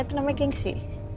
itu namanya gengsi